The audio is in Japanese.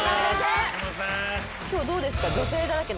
今日どうですか？